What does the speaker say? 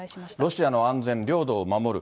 ロシアの安全、領土を守る。